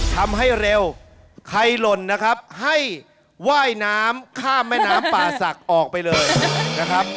ทำให้เร็วใครหล่นนะครับให้ว่ายน้ำข้ามแม่น้ำป่าศักดิ์ออกไปเลยนะครับ